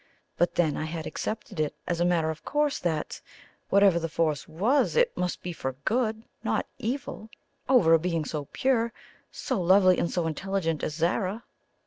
But then, I had accepted it as a matter of course that, whatever the force was, it must be for good, not evil, over a being so pure, so lovely and so intelligent as Zara.